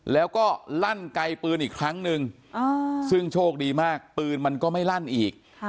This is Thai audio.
แล้วก็ลั่นไกลปืนอีกครั้งนึงซึ่งโชคดีมากปืนมันก็ไม่ลั่นอีก